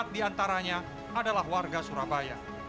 satu ratus empat di antaranya adalah warga surabaya